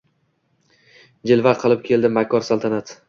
Jilva qilib keldi makkor saltanat